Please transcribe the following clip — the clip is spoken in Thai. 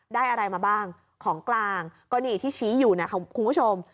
ได้อะไรมาบ้างของกลางก็นี่ที่ชี้อยู่นะครับคุณผู้ชม